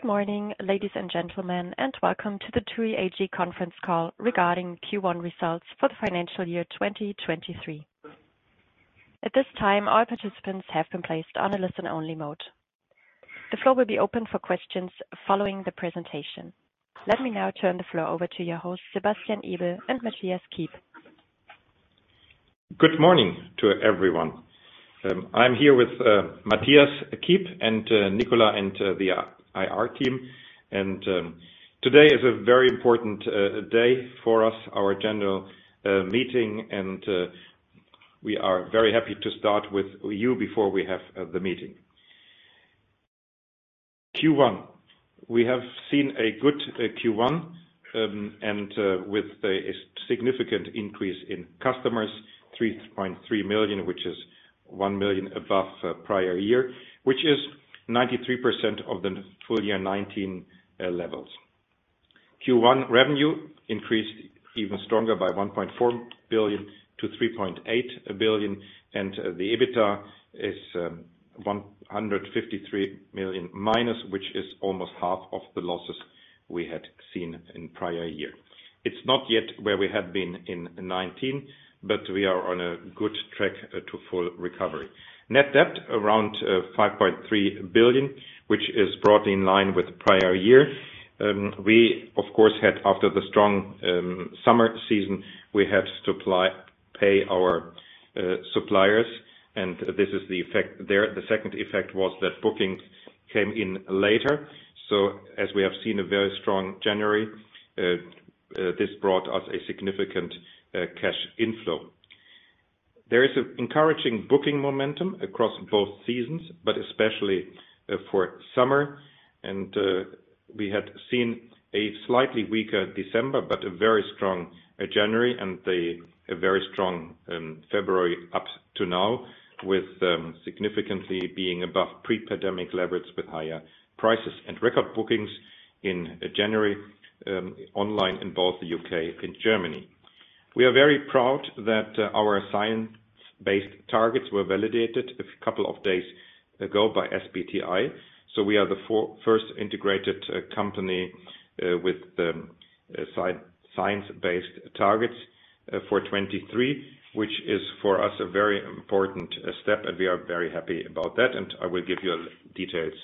Good morning, ladies and gentlemen, welcome to the TUI AG conference call regarding Q1 results for the financial year 2023. At this time, all participants have been placed on a listen-only mode. The floor will be open for questions following the presentation. Let me now turn the floor over to your host, Sebastian Ebel and Mathias Kiep. Good morning to everyone. I'm here with Mathias Kiep and Nicola and the IR team. Today is a very important day for us, our general meeting, and we are very happy to start with you before we have the meeting. Q1. We have seen a good Q1, and with a significant increase in customers, 3.3 million, which is one million above prior year, which is 93% of the full year 2019 levels. Q1 revenue increased even stronger by 1.4 billion to 3.8 billion and the EBITDA is 153 million minus, which is almost half of the losses we had seen in prior year. It's not yet where we had been in 2019, but we are on a good track to full recovery. Net debt around 5.3 billion, which is broadly in line with prior year. We of course, had after the strong summer season, we had to pay our suppliers. This is the effect there. The second effect was that bookings came in later. As we have seen a very strong January, this brought us a significant cash inflow. There is encouraging booking momentum across both seasons, especially for summer. We had seen a slightly weaker December, a very strong January and a very strong February up to now with significantly being above pre-pandemic levels with higher prices and record bookings in January online in both the UK and Germany. We are very proud that our science-based targets were validated a couple of days ago by SBTi. We are the first integrated company with the Science Based Targets for 2023, which is for us a very important step, and we are very happy about that and I will give you details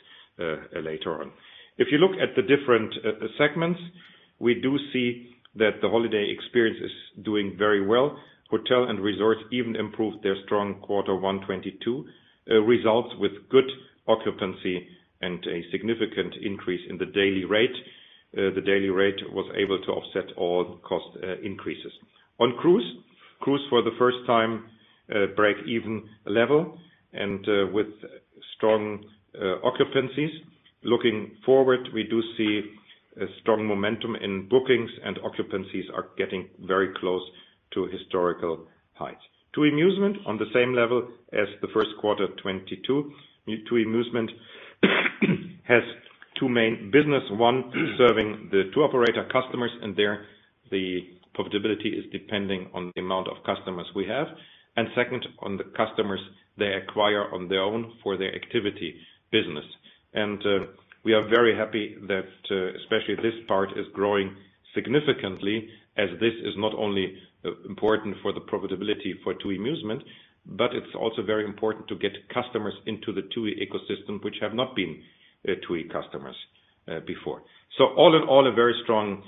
later on. If you look at the different segments, we do see that the holiday experience is doing very well. Hotel and resorts even improved their strong Q1 2022 results with good occupancy and a significant increase in the daily rate. The daily rate was able to offset all cost increases. On cruise, for the first time, break-even level and with strong occupancies. Looking forward, we do see a strong momentum in bookings and occupancies are getting very close to historical heights. TUI Musement on the same level as the Q1 2022. TUI Musement has two main business, one serving the tour operator customers. There the profitability is depending on the amount of customers we have. Second, on the customers they acquire on their own for their activity business. We are very happy that especially this part is growing significantly as this is not only important for the profitability for TUI Musement, but it's also very important to get customers into the TUI ecosystem which have not been TUI customers before. All in all, a very strong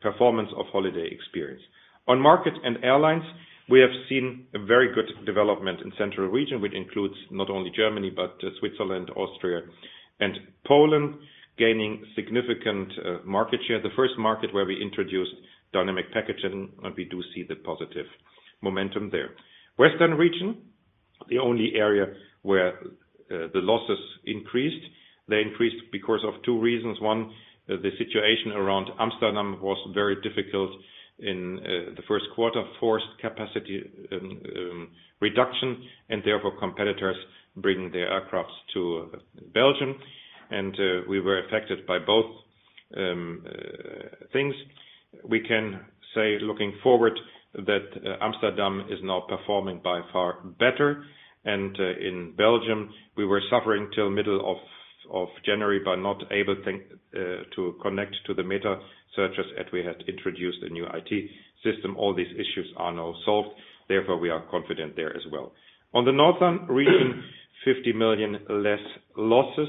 performance of holiday experience. On markets and airlines, we have seen a very good development in Central Region, which includes not only Germany, but Switzerland, Austria and Poland gaining significant market share. The first market where we introduced dynamic packaging. We do see the positive momentum there. Western region, the only area where the losses increased. They increased because of two reasons. One, the situation around Amsterdam was very difficult in the first quarter, forced capacity reduction and therefore competitors bringing their aircraft to Belgium and we were affected by both things. We can say looking forward that Amsterdam is now performing by far better. In Belgium we were suffering till middle of January by not able to connect to the metasearch as we had introduced a new IT system. All these issues are now solved, therefore we are confident there as well. On the Northern region, 50 million less losses.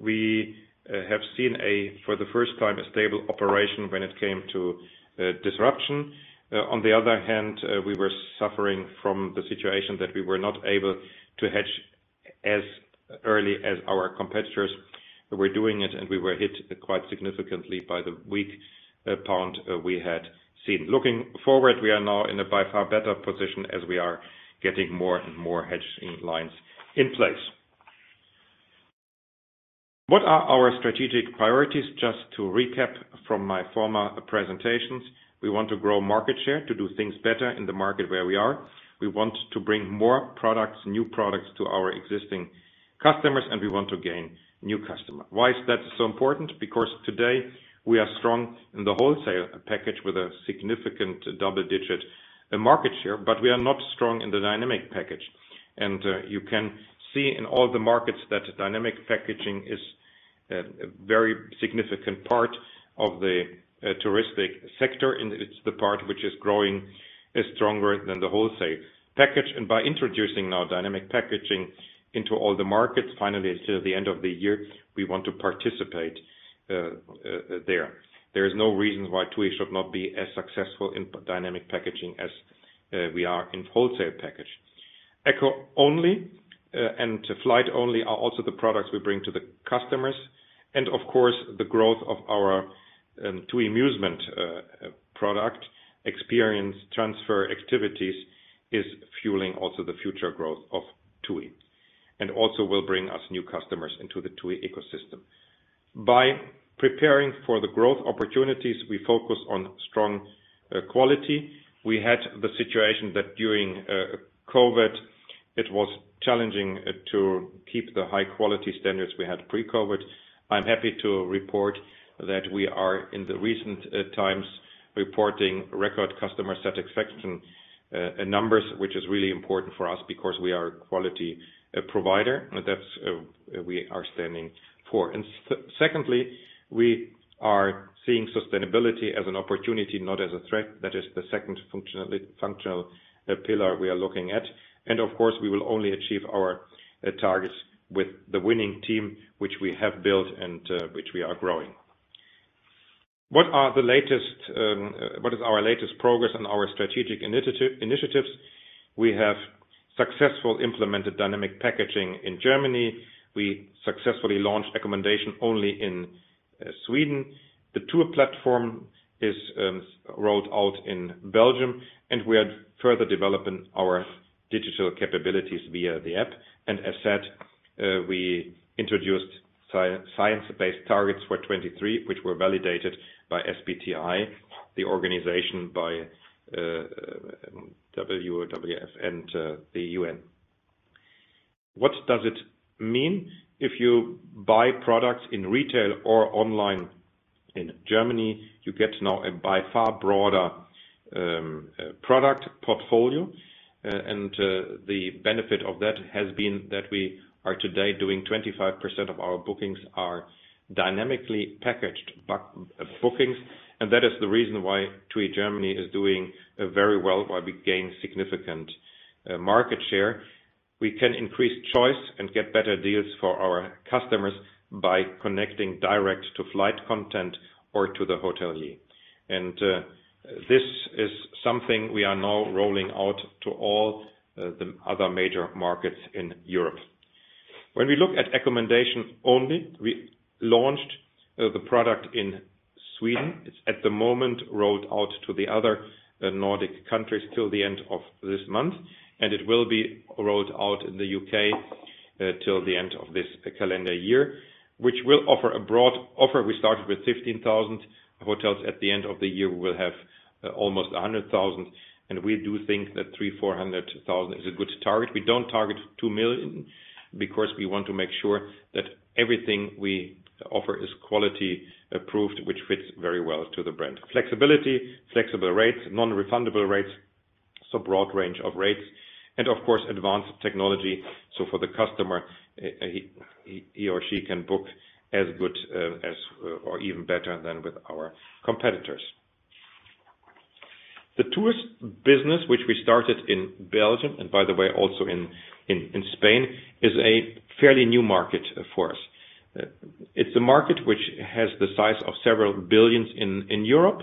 We have seen, for the first time, a stable operation when it came to disruption. On the other hand, we were suffering from the situation that we were not able to hedge as early as our competitors were doing it, and we were hit quite significantly by the weak pound we had seen. Looking forward, we are now in a by far better position as we are getting more and more hedging lines in place. What are our strategic priorities? Just to recap from my former presentations, we want to grow market share to do things better in the market where we are. We want to bring more products, new products to our existing customers, and we want to gain new customer. Why is that so important? Today we are strong in the wholesale package with a significant double-digit market share, but we are not strong in the dynamic packaging. You can see in all the markets that dynamic packaging is a very significant part of the touristic sector, and it's the part which is growing, is stronger than the wholesale package. By introducing our dynamic packaging into all the markets finally till the end of the year, we want to participate there. There is no reason why TUI should not be as successful in dynamic packaging as we are in wholesale package. accommodation only, and flight only are also the products we bring to the customers. Of course, the growth of our TUI Musement product experience transfer activities is fueling also the future growth of TUI, and also will bring us new customers into the TUI ecosystem. By preparing for the growth opportunities, we focus on strong quality. We had the situation that during COVID, it was challenging to keep the high quality standards we had pre-COVID. I'm happy to report that we are in the recent times reporting record customer satisfaction numbers, which is really important for us because we are a quality provider, and that's we are standing for. Secondly, we are seeing sustainability as an opportunity, not as a threat. That is the second functional pillar we are looking at. Of course, we will only achieve our targets with the winning team, which we have built and which we are growing. What are the latest, what is our latest progress on our strategic initiatives? We have successfully implemented dynamic packaging in Germany. We successfully launched accommodation only in Sweden. The tour platform is rolled out in Belgium, and we are further developing our digital capabilities via the app. As said, we introduced science-based targets for 23, which were validated by SBTi, the organization by WWF and the UN. What does it mean if you buy products in retail or online in Germany? You get now a by far broader product portfolio, and the benefit of that has been that we are today doing 25% of our bookings are dynamically packaged bookings, and that is the reason why TUI Germany is doing very well, why we gain significant market share. We can increase choice and get better deals for our customers by connecting direct to flight content or to the hotelier. This is something we are now rolling out to all the other major markets in Europe. When we look at accommodation only, we launched the product in Sweden. It's at the moment rolled out to the other Nordic countries till the end of this month, and it will be rolled out in the U.K. till the end of this calendar year, which will offer a broad offer. We started with 15,000 hotels. At the end of the year, we'll have almost 100,000. We do think that 300,000-400,000 is a good target. We don't target 2 million because we want to make sure that everything we offer is quality approved, which fits very well to the brand. Flexibility, flexible rates, non-refundable rates, so broad range of rates and of course, advanced technology. For the customer, he or she can book as good as or even better than with our competitors. The tourist business, which we started in Belgium, and by the way, also in Spain, is a fairly new market for us. It's a market which has the size of several billion in Europe,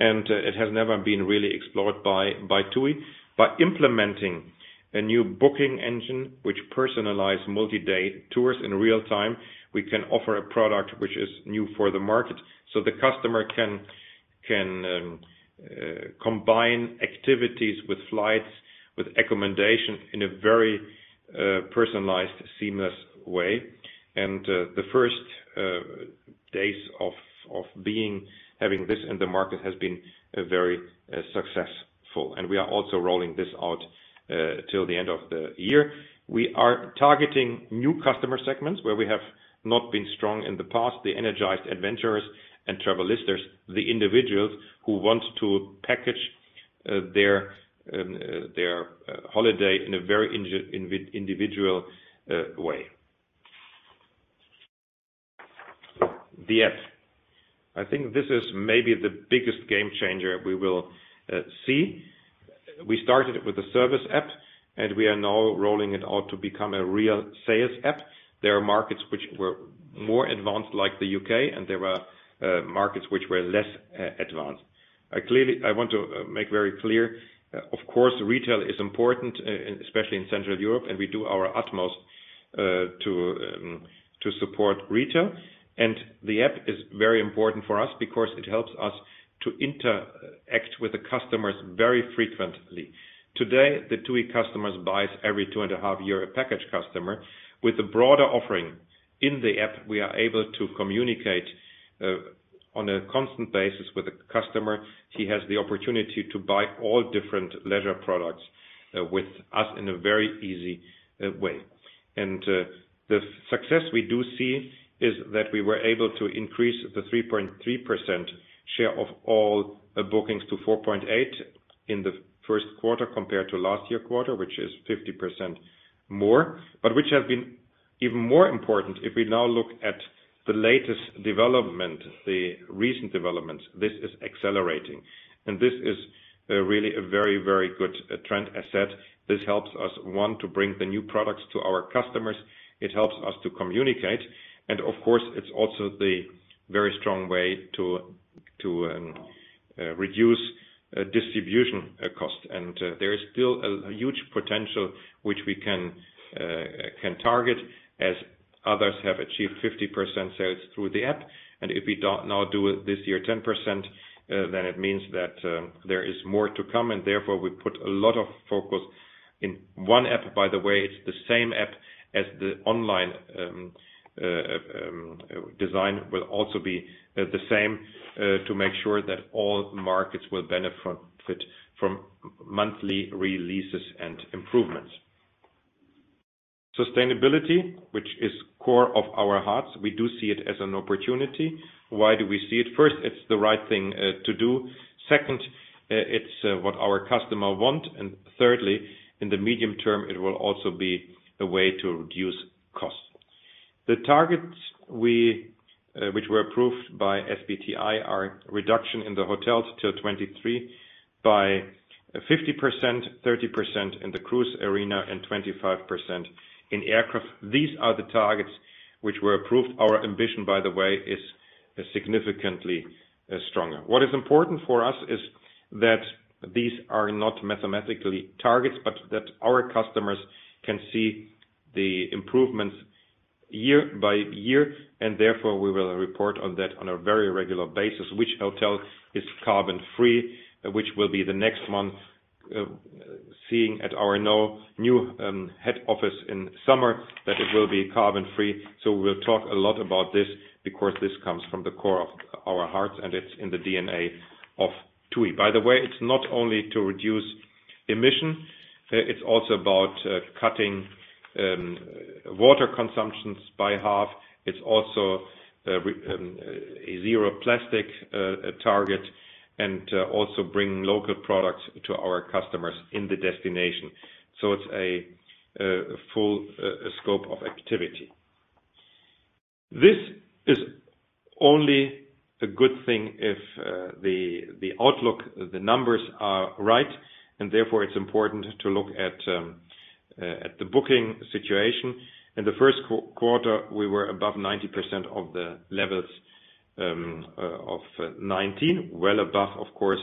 and it has never been really explored by TUI. By implementing a new booking engine which personalize multi-day tours in real time, we can offer a product which is new for the market, so the customer can combine activities with flights, with accommodation in a very personalized, seamless way. The first days of being, having this in the market has been very successful. We are also rolling this out till the end of the year. We are targeting new customer segments where we have not been strong in the past, the energized adventurers and travel listers, the individuals who want to package their holiday in a very individual way. The app. I think this is maybe the biggest game changer we will see. We started with a service app, we are now rolling it out to become a real sales app. There are markets which were more advanced, like the UK, and there were markets which were less advanced. I want to make very clear, of course, retail is important, especially in Central Europe, and we do our utmost to support retail. The app is very important for us because it helps us to interact with the customers very frequently. Today, the TUI customers buys every two and a half year a package customer. With the broader offering in the app, we are able to communicate on a constant basis with the customer. He has the opportunity to buy all different leisure products with us in a very easy way. The success we do see is that we were able to increase the 3.3% share of all the bookings to 4.8% in the first quarter compared to last year quarter, which is 50% more, but which has been even more important if we now look at the latest development, the recent developments, this is accelerating, and this is really a very, very good trend asset. This helps us, one, to bring the new products to our customers, it helps us to communicate, and of course, it's also the very strong way to reduce distribution costs. There is still a huge potential which we can target as others have achieved 50% sales through the app. If we do it this year 10%, then it means that there is more to come, and therefore we put a lot of focus in one app, by the way, it's the same app as the online design will also be the same, to make sure that all markets will benefit from monthly releases and improvements. Sustainability, which is core of our hearts, we do see it as an opportunity. Why do we see it? First, it's the right thing to do. Second, it's what our customer want. Thirdly, in the medium term, it will also be a way to reduce costs. The targets we which were approved by SBTi are reduction in the hotels till '23 by 50%, 30% in the cruise arena, and 25% in aircraft. These are the targets which were approved. Our ambition, by the way, is significantly stronger. What is important for us is that these are not mathematically targets, but that our customers can see the improvements year by year, and therefore we will report on that on a very regular basis, which hotel is carbon-free, which will be the next month, seeing at our new head office in summer that it will be carbon-free. We'll talk a lot about this because this comes from the core of our hearts, and it's in the DNA of TUI. By the way, it's not only to reduce emission, it's also about cutting water consumptions by half. It's also a zero plastic target and also bringing local products to our customers in the destination. It's a full scope of activity. This is only a good thing if the outlook, the numbers are right, and therefore it's important to look at the booking situation. In the first quarter, we were above 90% of the levels of 2019, well above, of course,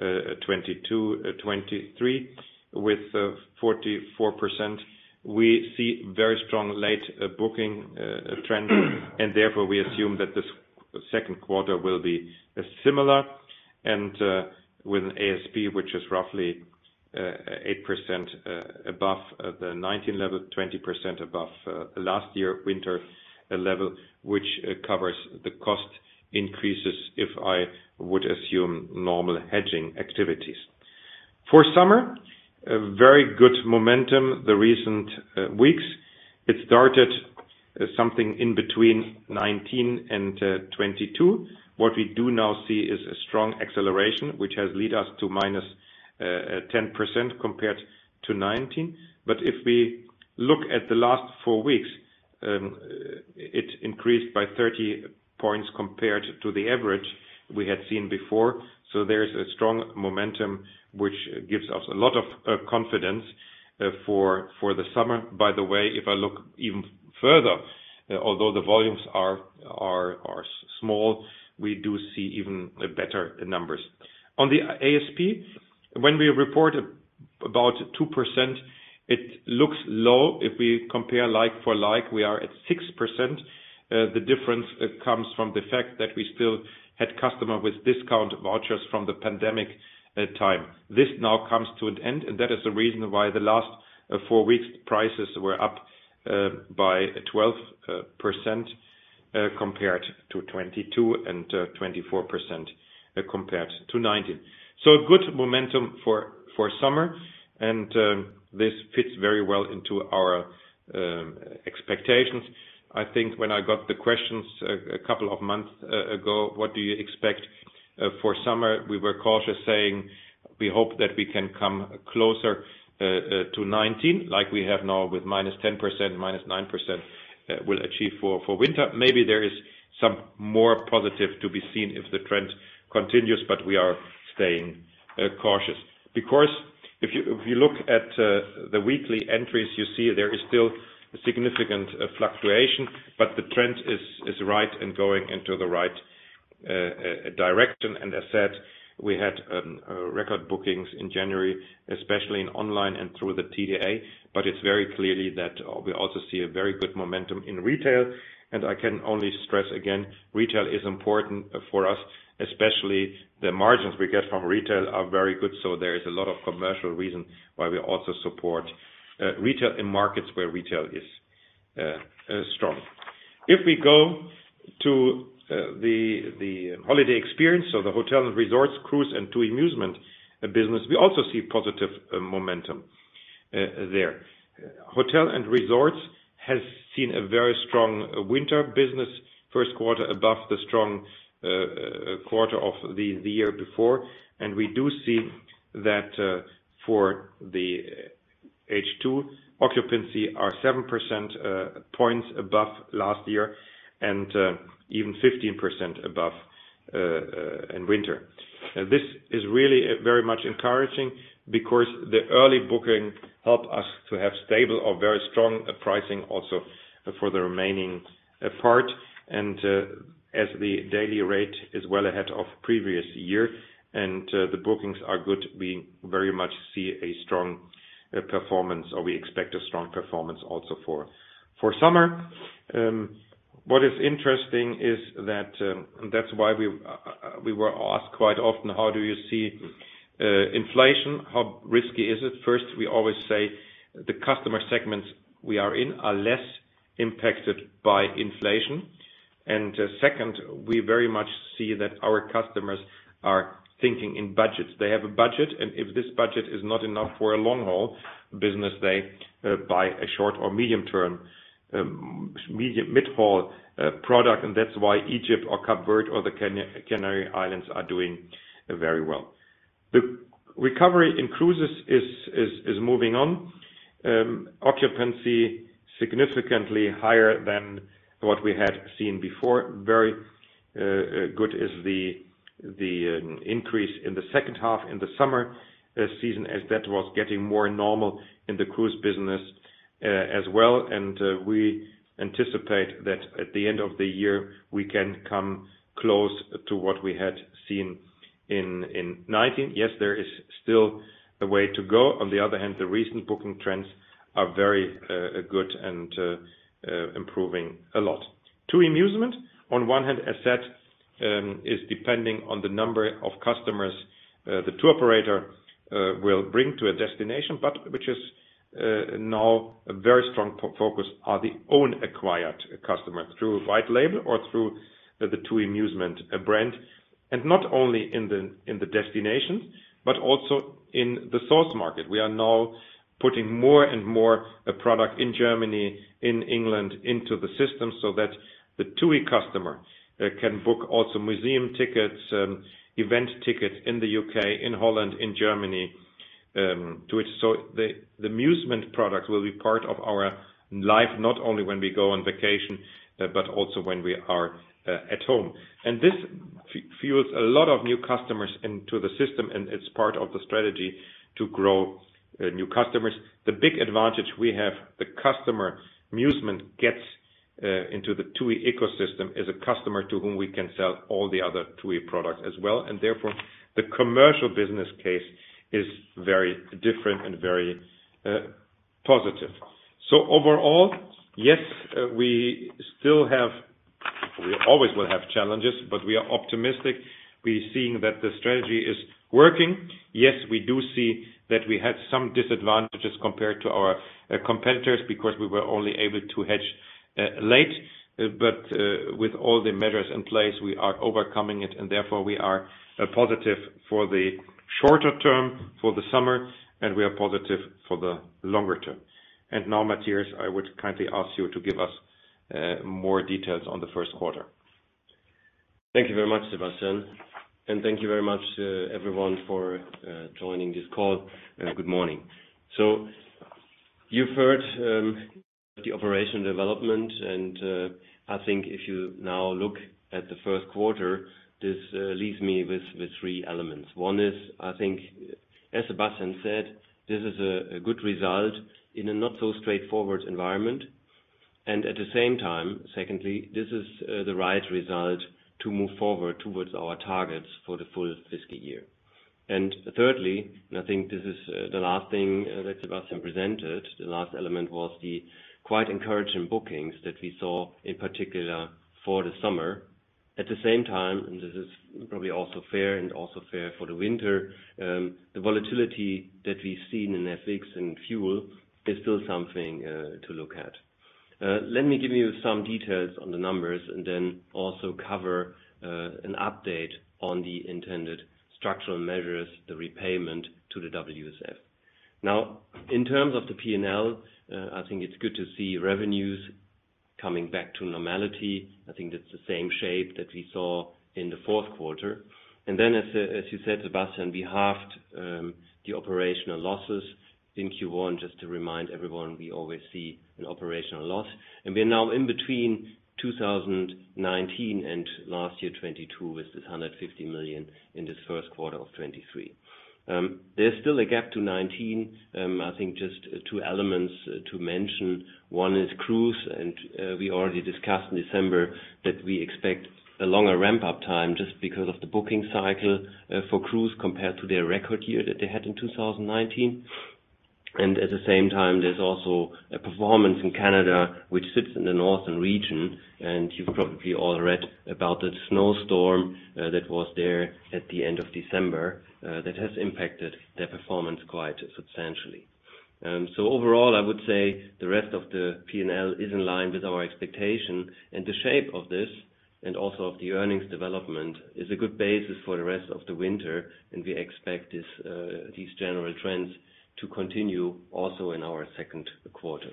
2022, 2023 with 44%. We see very strong late booking trends, and therefore we assume that the second quarter will be similar. With an ASP, which is roughly 8% above the 2019 level, 20% above last year winter level, which covers the cost increases, if I would assume normal hedging activities. For summer, a very good momentum the recent weeks. It started something in between 2019 and 2022. What we do now see is a strong acceleration, which has lead us to minus 10% compared to 2019. If we look at the last four weeks, it increased by 30 points compared to the average we had seen before. There is a strong momentum, which gives us a lot of confidence for the summer. If I look even further, although the volumes are small, we do see even better numbers. On the ASP, when we report about 2%, it looks low. If we compare like for like, we are at 6%. The difference comes from the fact that we still had customer with discount vouchers from the pandemic time. This now comes to an end, that is the reason why the last 4 weeks prices were up by 12% compared to 2022 and 24% compared to 2019. A good momentum for summer, this fits very well into our expectations. I think when I got the questions a couple of months ago, what do you expect for summer? We were cautious saying we hope that we can come closer to 2019 like we have now with minus 10%, minus 9% we'll achieve for winter. Maybe there is some more positive to be seen if the trend continues, we are staying cautious. If you look at the weekly entries, you see there is still a significant fluctuation, but the trend is right and going into the right direction. As said, we had record bookings in January, especially in online and through the TDA, but it's very clearly that we also see a very good momentum in retail. I can only stress again, retail is important for us, especially the margins we get from retail are very good. There is a lot of commercial reason why we also support retail in markets where retail is strong. If we go to the holiday experience or the hotel and resorts cruise and TUI Musement business, we also see positive momentum there. Hotel and resorts has seen a very strong winter business first quarter above the strong quarter of the year before. We do see that for the H2 occupancy are seven percentage points above last year and even 15% above in winter. This is really very much encouraging because the early booking help us to have stable or very strong pricing also for the remaining part. As the daily rate is well ahead of previous year and the bookings are good, we very much see a strong performance or we expect a strong performance also for summer. What is interesting is that that's why we we were asked quite often, how do you see inflation? How risky is it? First, we always say the customer segments we are in are less impacted by inflation. Second, we very much see that our customers are thinking in budgets. They have a budget, and if this budget is not enough for a long-haul business, they buy a short or medium-term mid-haul product. That's why Egypt or Cape Verde or the Canary Islands are doing very well. The recovery in cruises is moving on. Occupancy significantly higher than what we had seen before. Very good is the increase in the second half in the summer season as that was getting more normal in the cruise business as well. We anticipate that at the end of the year, we can come close to what we had seen in 2019. Yes, there is still a way to go. On the other hand, the recent booking trends are very good and improving a lot. TUI Musement, on one hand, asset is depending on the number of customers the tour operator will bring to a destination, but which is now a very strong focus are the own acquired customers through white label or through the TUI Musement brand, and not only in the destinations, but also in the source market. We are now putting more and more product in Germany, in England into the system so that the TUI customer can book also museum tickets, event tickets in the U.K., in Holland, in Germany to it. The Musement product will be part of our life, not only when we go on vacation, but also when we are at home. This fuels a lot of new customers into the system, and it's part of the strategy to grow new customers. The big advantage we have, the customer Musement gets into the TUI ecosystem is a customer to whom we can sell all the other TUI products as well. Therefore, the commercial business case is very different and very positive. Overall, yes, we always will have challenges, but we are optimistic. We're seeing that the strategy is working. We do see that we had some disadvantages compared to our competitors because we were only able to hedge late. With all the measures in place, we are overcoming it, and therefore we are positive for the shorter term, for the summer, and we are positive for the longer term. Now, Mathias, I would kindly ask you to give us more details on the first quarter. Thank you very much, Sebastian. Thank you very much, everyone for joining this call. Good morning. You've heard the operational development, I think if you now look at the first quarter, this leaves me with three elements. One is, I think, as Sebastian said, this is a good result in a not-so-straightforward environment. At the same time, secondly, this is the right result to move forward towards our targets for the full fiscal year. Thirdly, and I think this is the last thing that Sebastian presented, the last element was the quite encouraging bookings that we saw in particular for the summer. At the same time, and this is probably also fair and also fair for the winter, the volatility that we've seen in FX and fuel is still something to look at. Let me give you some details on the numbers and then also cover an update on the intended structural measures, the repayment to the WSF. In terms of the P&L, I think it's good to see revenues coming back to normality. I think that's the same shape that we saw in the fourth quarter. As you said, Sebastian, we halved the operational losses in Q1, just to remind everyone, we always see an operational loss. We're now in between 2019 and last year 2022 with this 150 million in this first quarter of 2023. There's still a gap to 2019. I think just two elements to mention. One is cruise, and we already discussed in December that we expect a longer ramp-up time just because of the booking cycle for cruise compared to their record year that they had in 2019. At the same time, there's also a performance in Canada which sits in the northern region. You've probably all read about the snowstorm that was there at the end of December that has impacted their performance quite substantially. Overall, I would say the rest of the P&L is in line with our expectation and the shape of this and also of the earnings development is a good basis for the rest of the winter, and we expect this, these general trends to continue also in our second quarter.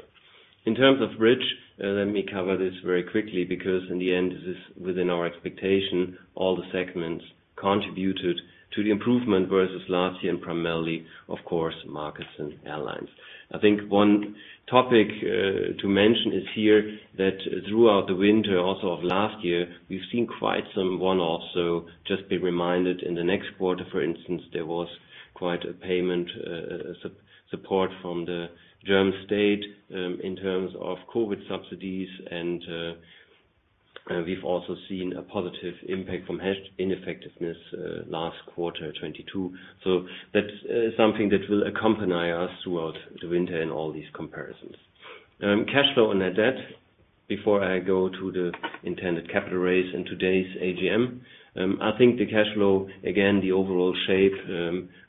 In terms of Bridge, let me cover this very quickly because in the end, this is within our expectation. All the segments contributed to the improvement versus last year and primarily, of course, markets and airlines. I think one topic to mention is here that throughout the winter also of last year, we've seen quite some one-off. Just be reminded in the next quarter, for instance, there was quite a payment support from the German state in terms of COVID subsidies and we've also seen a positive impact from hedge ineffectiveness last quarter, 22. That's something that will accompany us throughout the winter in all these comparisons. Cash flow net debt before I go to the intended capital raise in today's AGM. I think the cash flow, again, the overall shape,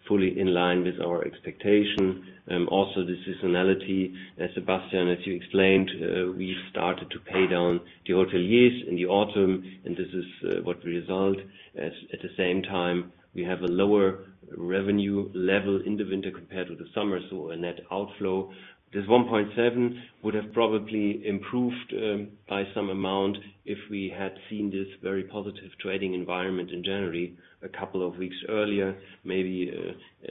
fully in line with our expectation. Also the seasonality. As Sebastian, as you explained, we started to pay down the hotel lease in the autumn, this is what the result. As at the same time, we have a lower revenue level in the winter compared to the summer, a net outflow. This 1.7 would have probably improved by some amount if we had seen this very positive trading environment in January, a couple of weeks earlier, maybe,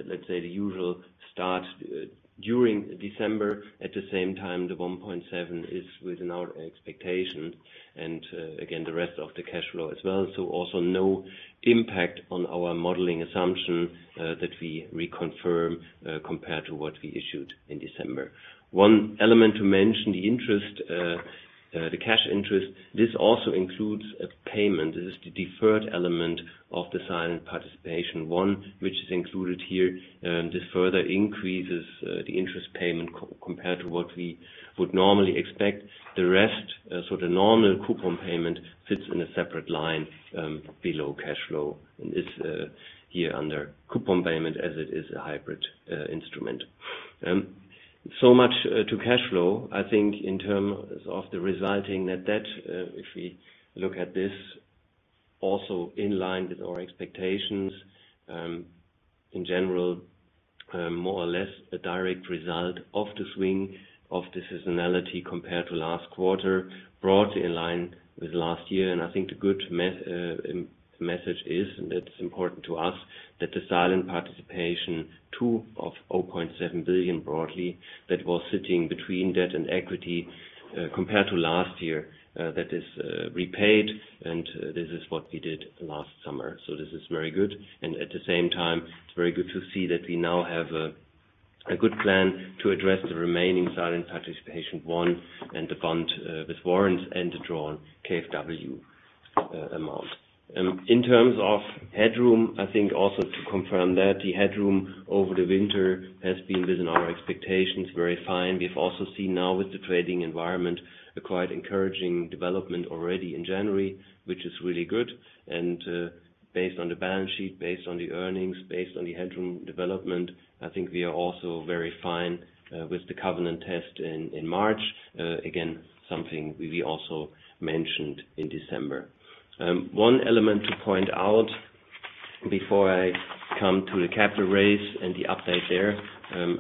let's say the usual start during December. At the same time, the 1.7 is within our expectation, again, the rest of the cash flow as well, also no impact on our modeling assumption that we reconfirm compared to what we issued in December. One element to mention, the interest, the cash interest. This also includes a payment. This is the deferred element of the silent participation one, which is included here, this further increases the interest payment compared to what we would normally expect. The rest, the normal coupon payment fits in a separate line below cash flow and is here under coupon payment as it is a hybrid instrument. Much to cash flow. I think in terms of the resulting net debt, if we look at this also in line with our expectations, in general, more or less a direct result of the swing of the seasonality compared to last quarter, broadly in line with last year. I think the good message is, and that's important to us, that the silent participation two of 0.7 billion broadly that was sitting between debt and equity, compared to last year, that is repaid, and this is what we did last summer. This is very good. At the same time, it's very good to see that we now have a good plan to address the remaining silent participation one and the bond with warrants and the drawn KfW amount. In terms of headroom, I think also to confirm that the headroom over the winter has been within our expectations, very fine. We've also seen now with the trading environment a quite encouraging development already in January, which is really good. Based on the balance sheet, based on the earnings, based on the headroom development, I think we are also very fine with the covenant test in March. Again, something we also mentioned in December. One element to point out before I come to the capital raise and the update there,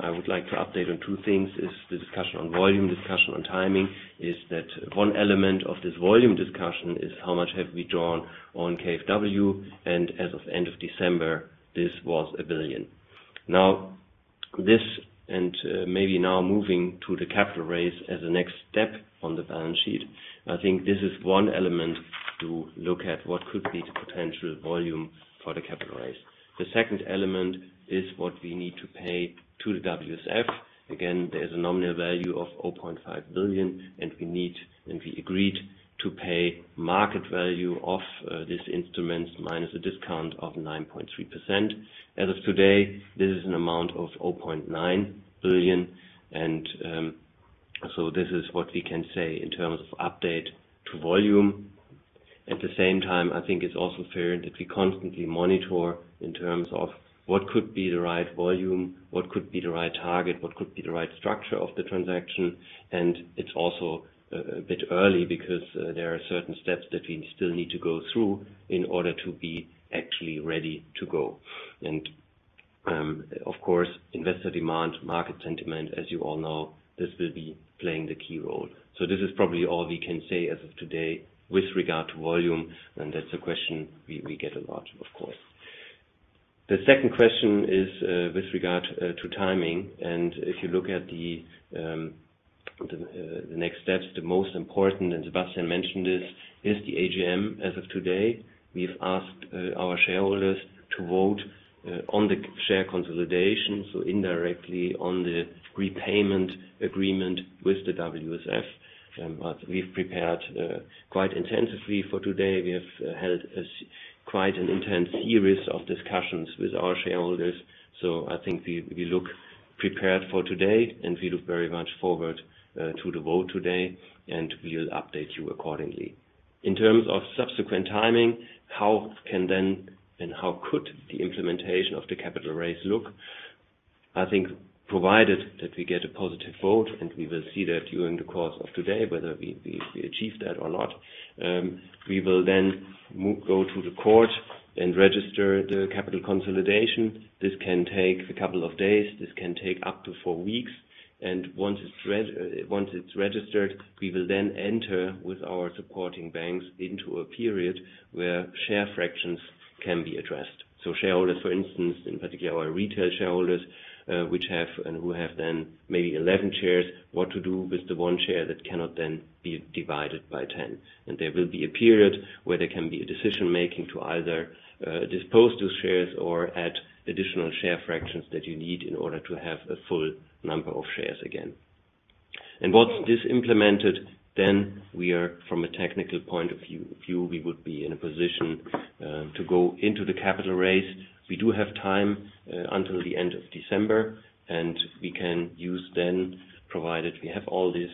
I would like to update on two things is the discussion on volume, discussion on timing is that one element of this volume discussion is how much have we drawn on KfW, and as of end of December, this was 1 billion. Now this and maybe now moving to the capital raise as a next step on the balance sheet. I think this is one element to look at what could be the potential volume for the capital raise. The second element is what we need to pay to the WSF. There's a nominal value of 0.5 billion, and we agreed to pay market value of these instruments minus a discount of 9.3%. As of today, this is an amount of 0.9 billion. This is what we can say in terms of update to volume. At the same time, I think it's also fair that we constantly monitor in terms of what could be the right volume, what could be the right target, what could be the right structure of the transaction. It's also a bit early because there are certain steps that we still need to go through in order to be actually ready to go. Of course, investor demand, market sentiment, as you all know, this will be playing the key role. This is probably all we can say as of today with regard to volume, and that's a question we get a lot, of course. The second question is with regard to timing. If you look at the next steps, the most important, and Sebastian mentioned this, is the AGM. As of today, we've asked our shareholders to vote on the c-share consolidation, so indirectly on the repayment agreement with the WSF. We've prepared quite intensively for today. We have held a quite an intense series of discussions with our shareholders. I think we look prepared for today, and we look very much forward to the vote today, and we'll update you accordingly. In terms of subsequent timing, how can then and how could the implementation of the capital raise look? I think provided that we get a positive vote, we will see that during the course of today whether we achieve that or not, we will then go to the court and register the capital consolidation. This can take a couple of days. This can take up to four weeks. Once it's registered, we will then enter with our supporting banks into a period where share fractions can be addressed. Shareholders, for instance, in particular our retail shareholders, which have and who have then maybe 11 shares, what to do with the one share that cannot then be divided by 10. There will be a period where there can be a decision-making to either dispose those shares or add additional share fractions that you need in order to have a full number of shares again. Once this implemented, then we are from a technical point of view, we would be in a position to go into the capital raise. We do have time until the end of December, and we can use then, provided we have all this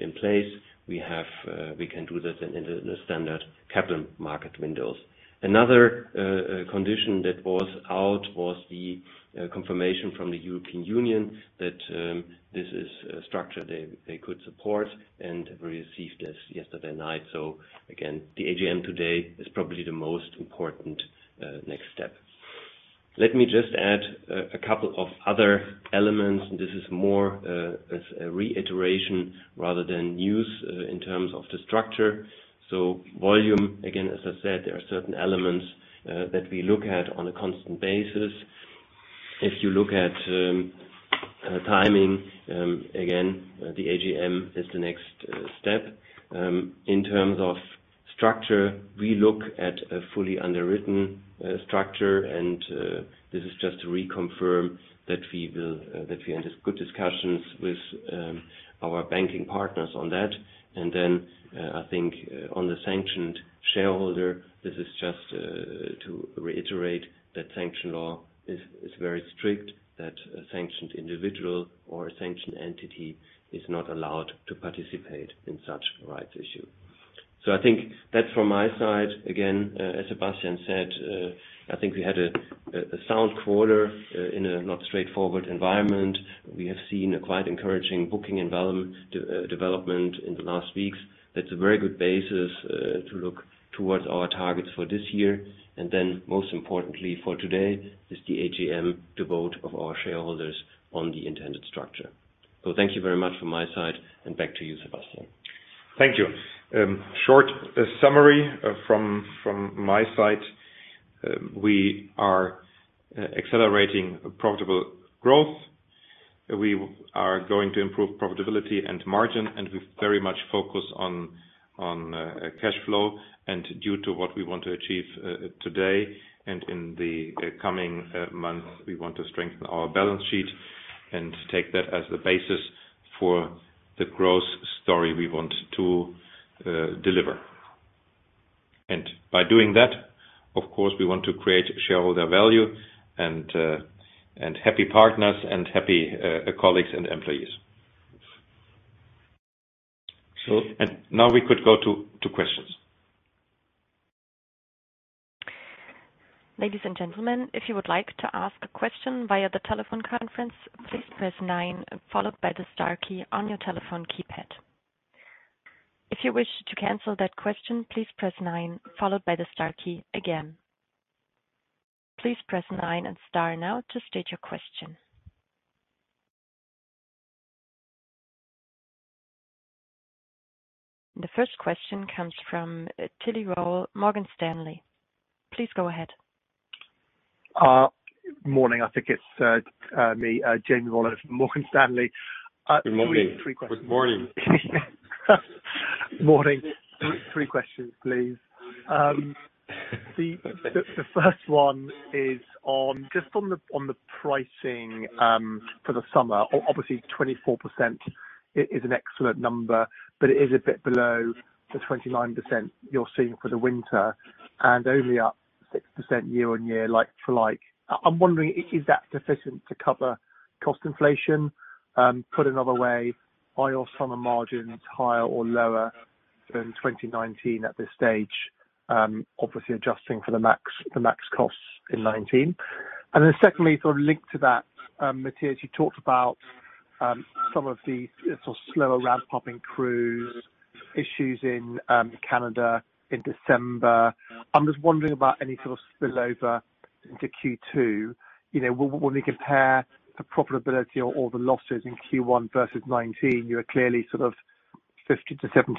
in place, we can do this in the standard capital market windows. Another condition that was out was the confirmation from the European Union that this is a structure they could support, and we received this yesterday night. Again, the AGM today is probably the most important next step. Let me just add a couple of other elements. This is more a reiteration rather than news in terms of the structure. Volume, again, as I said, there are certain elements that we look at on a constant basis. If you look at timing, again, the AGM is the next step. In terms of structure, we look at a fully underwritten structure, this is just to reconfirm that we will that we had as good discussions with our banking partners on that. I think on the sanctioned shareholder, this is just to reiterate that sanction law is very strict, that a sanctioned individual or a sanctioned entity is not allowed to participate in such rights issue. I think that's from my side. Again, as Sebastian said, I think we had a sound quarter in a not straightforward environment. We have seen a quite encouraging booking and development in the last weeks. That's a very good basis to look towards our targets for this year. Most importantly for today is the AGM to vote of our shareholders on the intended structure. Thank you very much from my side and back to you, Sebastian. Thank you. Short summary from my side. We are accelerating profitable growth. We are going to improve profitability and margin, and we very much focus on cash flow. Due to what we want to achieve today and in the coming months, we want to strengthen our balance sheet and take that as the basis for the growth story we want to deliver. By doing that, of course, we want to create shareholder value and happy partners and happy colleagues and employees. Now we could go to questions. Ladies and gentlemen, if you would like to ask a question via the telephone conference, please press nine followed by the star key on your telephone keypad. If you wish to cancel that question, please press nine followed by the star key again. Please press nine and star now to state your question. The first question comes from Jamie Rollo, Morgan Stanley. Please go ahead. Morning. I think it's me, Jamie Rollo of Morgan Stanley. Good morning. Three questions. Good morning. Morning. Three questions, please. The first one is on just on the pricing for the summer. Obviously, 24% is an excellent number, but it is a bit below the 29% you're seeing for the winter and only up 6% year-on-year, like for like. I'm wondering is that sufficient to cover cost inflation? Put another way, are your summer margins higher or lower than 2019 at this stage? Obviously adjusting for the max costs in 2019. Secondly, sort of linked to that, Mathias, you talked about some of the sort of slower ramp-up in cruise issues in Canada in December. I'm just wondering about any sort of spillover into Q2. You know, when we compare the profitability or the losses in Q1 versus 2019, you are clearly sort of 50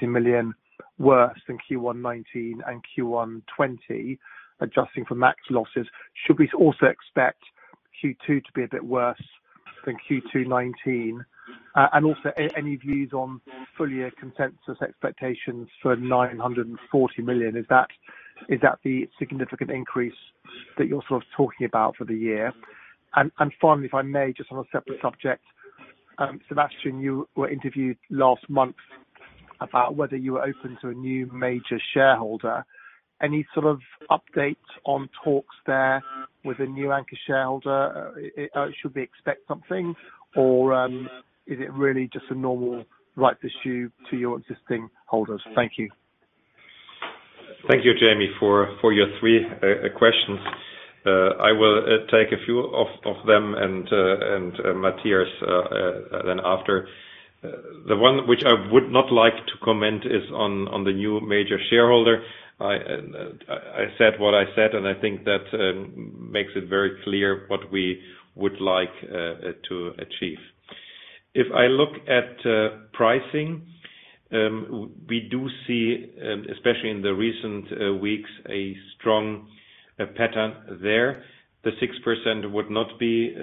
million-70 million worse than Q1 2019 and Q1 2020, adjusting for max losses. Should we also expect Q2 to be a bit worse than Q2 2019? Also any views on full-year consensus expectations for 940 million. Is that, is that the significant increase that you're sort of talking about for the year? Finally, if I may, just on a separate subject, Sebastian, you were interviewed last month about whether you were open to a new major shareholder. Any sort of update on talks there with a new anchor shareholder? Should we expect something or is it really just a normal rights issue to your existing holders? Thank you. Thank you, Jamie, for your 3 questions. I will take a few of them and Mathias then after. The one which I would not like to comment is on the new major shareholder. I said what I said, and I think that makes it very clear what we would like to achieve. If I look at pricing, we do see especially in the recent weeks, a strong pattern there. The 6% would not be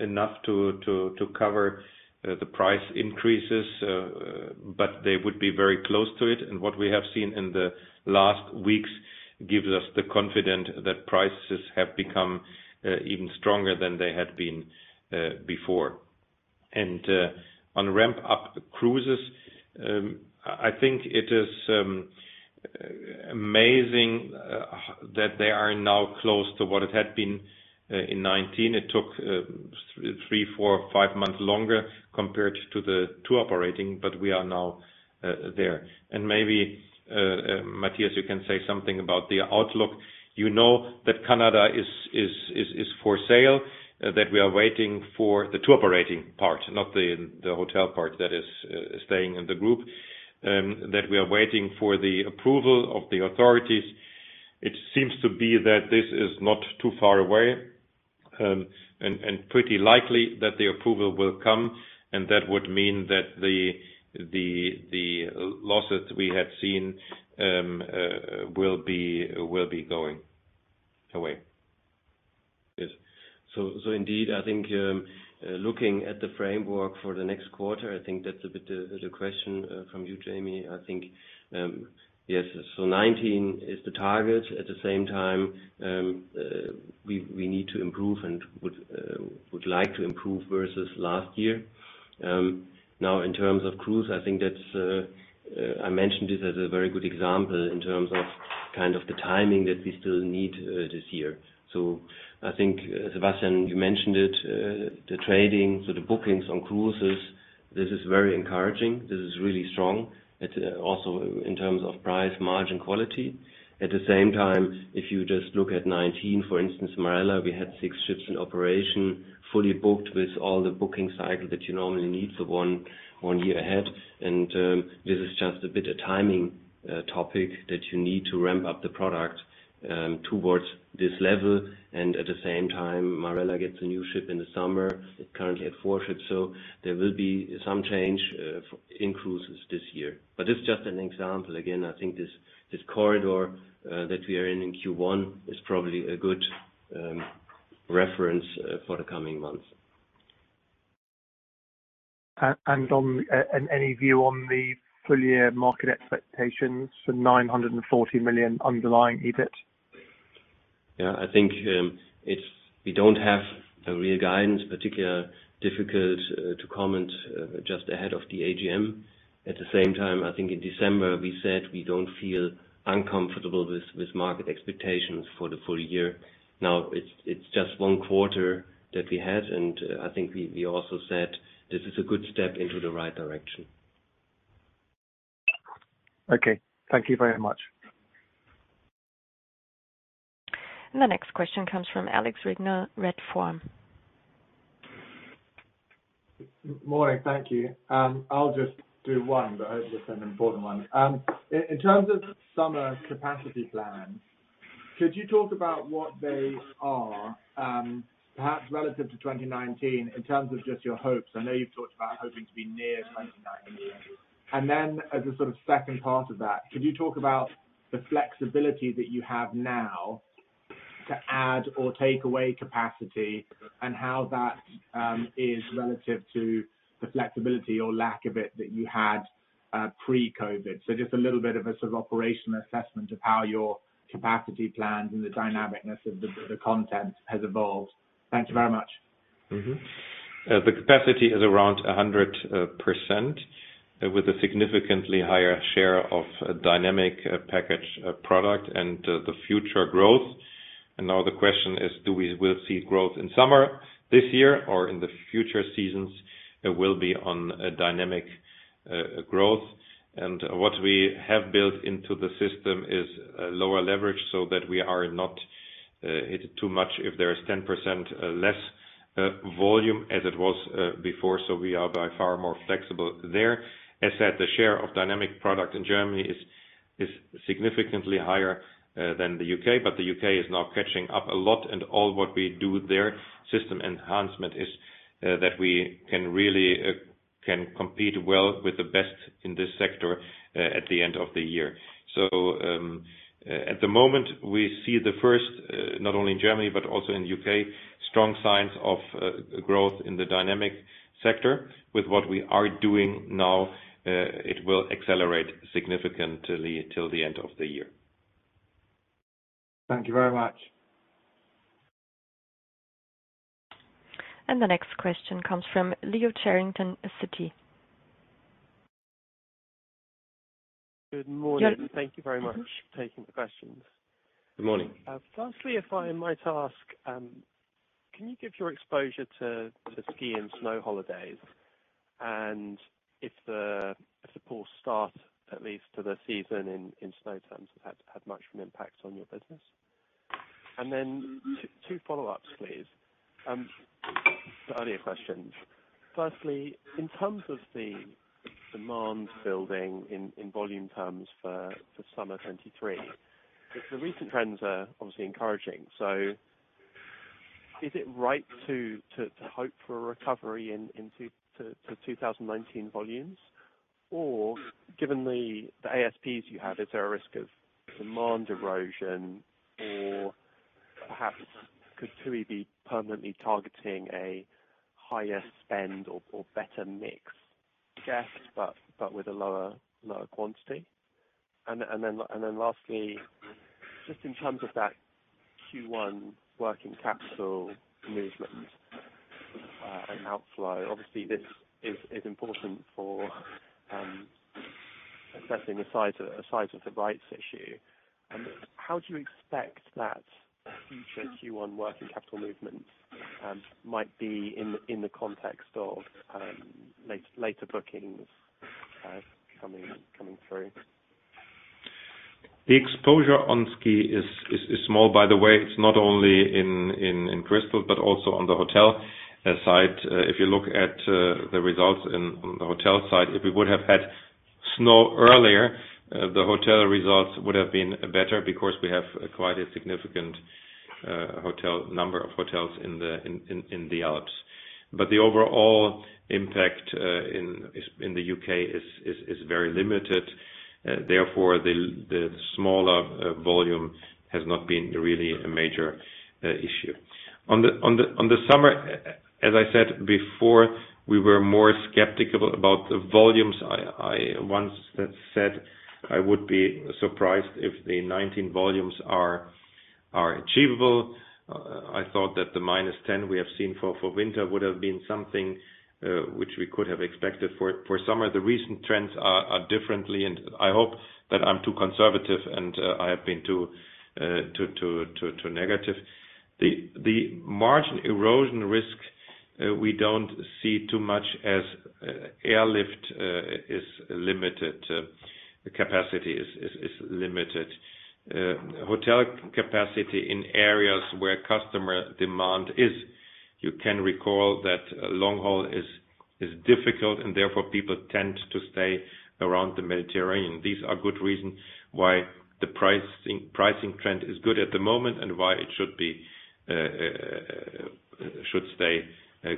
enough to cover the price increases, but they would be very close to it. What we have seen in the last weeks gives us the confident that prices have become even stronger than they had been before. On ramp-up cruises, I think it is amazing that they are now close to what it had been in 2019. It took three, four, five months longer compared to the TUI operating, but we are now there. Maybe Mathias, you can say something about the outlook. You know that Canary Islands is for sale, that we are waiting for the TUI operating part, not the hotel part that is staying in the group. That we are waiting for the approval of the authorities. It seems to be that this is not too far away, and pretty likely that the approval will come, and that would mean that the losses we had seen will be going away. Yes. Indeed, I think, looking at the framework for the next quarter, I think that's a bit of the question from you, Jamie. I think, yes. 19 is the target. At the same time, we need to improve and would like to improve versus last year. Now in terms of cruise, I think that's I mentioned it as a very good example in terms of kind of the timing that we still need this year. I think, Sebastian, you mentioned it, the trading, so the bookings on cruises, this is very encouraging. This is really strong. It's also in terms of price, margin, quality. At the same time, if you just look at 2019, for instance, Marella, we had six ships in operation, fully booked with all the booking cycle that you normally need for one year ahead. This is just a bit of timing topic that you need to ramp up the product towards this level. At the same time, Marella gets a new ship in the summer. It's currently at four ships, so there will be some change in cruises this year. It's just an example. Again, I think this corridor that we are in in Q1 is probably a good reference for the coming months. Any view on the full year market expectations for 940 million underlying EBIT? Yeah, I think, we don't have a real guidance, particular difficult to comment just ahead of the AGM. At the same time, I think in December we said we don't feel uncomfortable with market expectations for the full year. Now it's just one quarter that we had, I think we also said this is a good step into the right direction. Okay. Thank you very much. The next question comes from Alex Brignall, Redburn. Morning. Thank you. I'll just do one, but it is an important one. In terms of summer capacity plans, could you talk about what they are, perhaps relative to 2019 in terms of just your hopes? I know you've talked about hoping to be near 2019. Then as a sort of second part of that, could you talk about the flexibility that you have now to add or take away capacity and how that is relative to the flexibility or lack of it that you had pre-COVID? Just a little bit of a sort of operational assessment of how your capacity plans and the dynamic-ness of the content has evolved. Thank you very much. The capacity is around 100%, with a significantly higher share of dynamic package product and the future growth. Now the question is, do we will see growth in summer this year or in the future seasons? It will be on a dynamic growth. What we have built into the system is a lower leverage so that we are not hit too much if there is 10% less volume as it was before. We are by far more flexible there. As said, the share of dynamic product in Germany is significantly higher than the U.K., the U.K. is now catching up a lot. All what we do there, system enhancement, is that we can really compete well with the best in this sector at the end of the year. At the moment, we see the first not only in Germany but also in the U.K., strong signs of growth in the dynamic sector with what we are doing now. It will accelerate significantly till the end of the year. Thank you very much. The next question comes from Leo Carrington, Citi. Good morning. Yes. Thank you very much for taking the questions. Good morning. Firstly, if I might ask, can you give your exposure to ski and snow holidays? If the poor start at least to the season in snow terms has had much of an impact on your business. Two follow-ups, please, to earlier questions. Firstly, in terms of the demand building in volume terms for summer 2023, the recent trends are obviously encouraging. Is it right to hope for a recovery in to 2019 volumes, or given the ASPs you have, is there a risk of demand erosion or perhaps could TUI be permanently targeting a higher spend or better mix guest but with a lower quantity? Lastly, just in terms of that Q1 working capital movement and outflow, obviously this is important for assessing the size of the rights issue. How do you expect that future Q1 working capital movements might be in the context of later bookings coming through? The exposure on ski is small by the way, it's not only in Crystal, but also on the hotel side. If you look at the results on the hotel side, if we would have had snow earlier, the hotel results would have been better because we have quite a significant hotel, number of hotels in the Alps. The overall impact in the U.K. is very limited. Therefore the smaller volume has not been really a major issue. On the summer, as I said before, we were more skeptical about the volumes. I once said I would be surprised if the 19 volumes are achievable. I thought that the -10 we have seen for winter would've been something which we could have expected for summer. The recent trends are differently, and I hope that I'm too conservative and I have been too negative. The margin erosion risk we don't see too much as airlift is limited. The capacity is limited. Hotel capacity in areas where customer demand is, you can recall that long haul is difficult, and therefore people tend to stay around the Mediterranean. These are good reasons why the pricing trend is good at the moment and why it should stay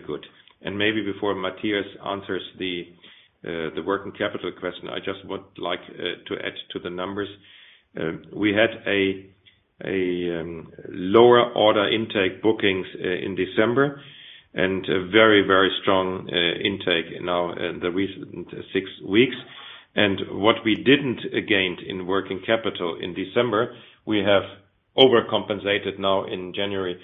good. Maybe before Mathias answers the working capital question, I just would like to add to the numbers. We had a lower order intake bookings in December and a very, very strong intake in now in the recent six weeks. What we didn't gain in working capital in December, we have overcompensated now in January,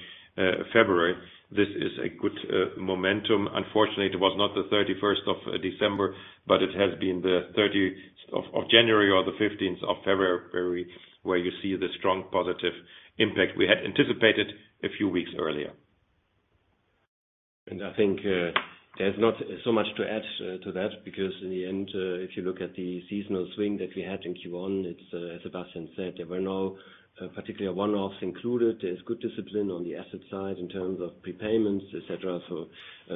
February. This is a good momentum. Unfortunately, it was not the 31st of December, but it has been the 30th of January or the 15th of February where you see the strong positive impact we had anticipated a few weeks earlier. I think there's not so much to add to that because in the end, if you look at the seasonal swing that we had in Q1, it's, as Sebastian said, there were no particular one-offs included. There's good discipline on the asset side in terms of prepayments, et cetera.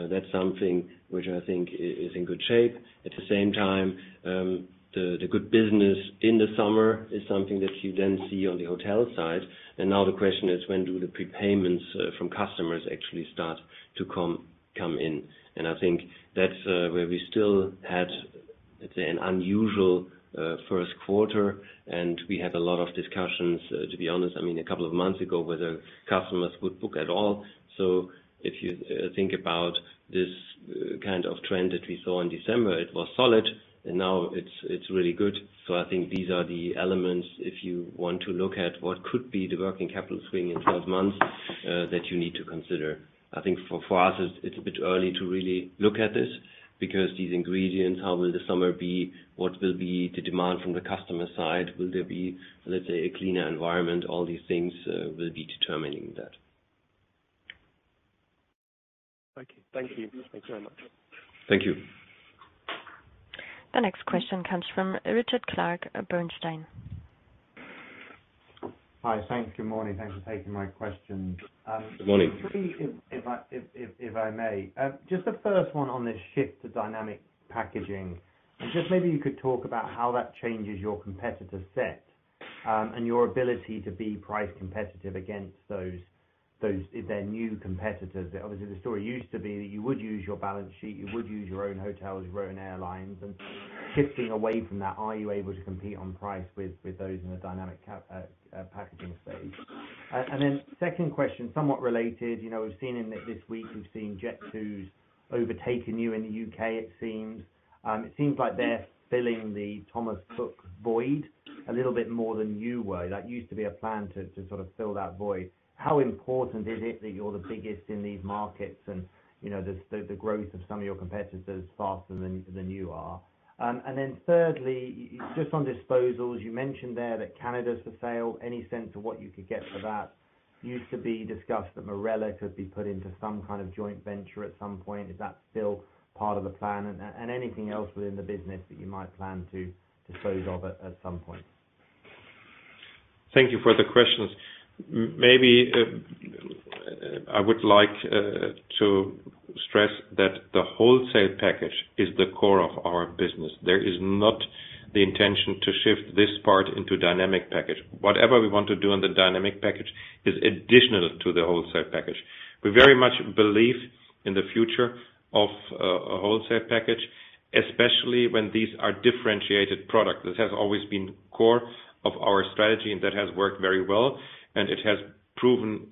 That's something which I think is in good shape. At the same time, the good business in the summer is something that you then see on the hotel side. Now the question is when do the prepayments from customers actually start to come in. I think that's where we still had, let's say, an unusual first quarter and we had a lot of discussions, to be honest, I mean, a couple of months ago, whether customers would book at all. If you think about this kind of trend that we saw in December, it was solid and now it's really good. I think these are the elements if you want to look at what could be the working capital swing in 12 months that you need to consider. I think for us it's a bit early to really look at this because these ingredients, how will the summer be? What will be the demand from the customer side? Will there be, let's say, a cleaner environment? All these things will be determining that. Thank you. Thank you. Thanks very much. Thank you. The next question comes from Richard Clarke of Bernstein. Hi. Thanks. Good morning. Thanks for taking my questions. Good morning. If I may, just the first one on this shift to dynamic packaging. Just maybe you could talk about how that changes your competitor set, and your ability to be price competitive against those, their new competitors. Obviously the story used to be that you would use your balance sheet, you would use your own hotels, your own airlines, shifting away from that, are you able to compete on price with those in the dynamic packaging space? Then second question, somewhat related, you know, we've seen this week we've seen Jet2's-Overtaking you in the U.K., it seems. It seems like they're filling the Thomas Cook void a little bit more than you were. That used to be a plan to sort of fill that void. How important is it that you're the biggest in these markets and, you know, the growth of some of your competitors is faster than you are? Thirdly, just on disposals, you mentioned there that Canada is for sale. Any sense of what you could get for that? Used to be discussed that Marella could be put into some kind of joint venture at some point. Is that still part of the plan? Anything else within the business that you might plan to dispose of at some point. Thank you for the questions. Maybe I would like to stress that the wholesale package is the core of our business. There is not the intention to shift this part into dynamic package. Whatever we want to do in the dynamic package is additional to the wholesale package. We very much believe in the future of a wholesale package, especially when these are differentiated products. This has always been core of our strategy, and that has worked very well, and it has proven